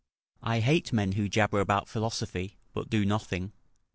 ["I hate men who jabber about philosophy, but do nothing."